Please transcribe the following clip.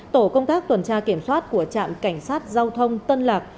tổ công tác tuần tra kiểm soát của trạm cảnh sát giao thông tân lạc